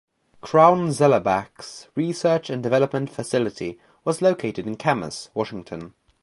Crown Zellerbach's research and development facility was located in Camas, Washington.